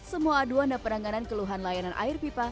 semua aduan dan penanganan keluhan layanan air pipa